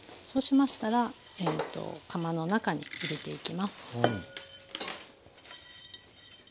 そうしましたら釜の中に入れていきます。